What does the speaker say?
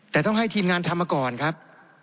แต่ต้องให้ทีมงานทำมาก่อนครับ